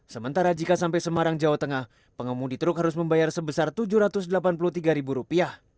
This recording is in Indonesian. sementara jika sampai semarang jawa tengah pengemudi truk harus membayar sebesar rp tujuh ratus delapan puluh tiga